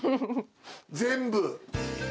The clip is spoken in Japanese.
全部。